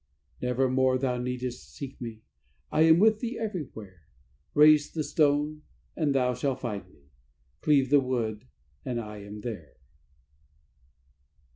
"Nevermore thou needest seek me; I am with thee everywhere; _Raise the stone, and thou shall find me; cleave the wood, and I am there.